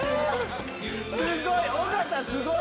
すごい。